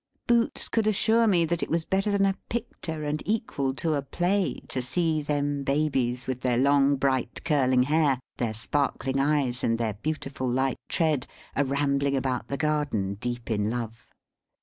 Boots could assure me that it was better than a picter, and equal to a play, to see them babies, with their long, bright, curling hair, their sparkling eyes, and their beautiful light tread, a rambling about the garden, deep in love.